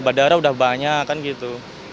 bandara udah banyak kan gitu